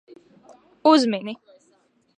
Uzmini.